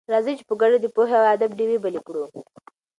راځئ چې په ګډه د پوهې او ادب ډېوې بلې کړو.